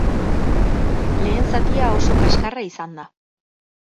Lehen zatia oso kaskarra izan da.